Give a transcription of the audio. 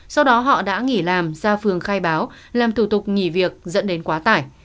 sau đó họ đã nghỉ làm ra phường khai báo làm thủ tục nghỉ việc dẫn đến quá tải